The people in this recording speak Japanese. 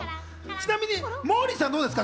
ちなみにモーリーさんはどうですか？